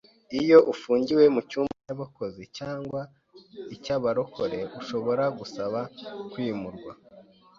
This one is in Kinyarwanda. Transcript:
iyo ufungiwe mu cyummba cy’abakozi cyangwa icy’abarokore ushobora gusaba kwimurwa.